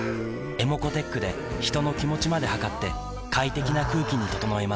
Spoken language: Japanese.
ｅｍｏｃｏーｔｅｃｈで人の気持ちまで測って快適な空気に整えます